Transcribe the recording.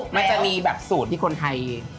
มันจะมีแบบสูตรที่คนไทย